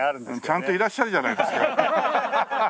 ちゃんといらっしゃるじゃないですか。